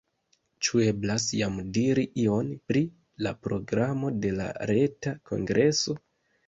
Ĉu eblas jam diri ion pri la programo de la reta kongreso?